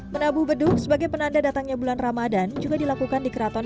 menabuh beduk sebagai penanda datangnya bulan ramadan juga dilakukan di keraton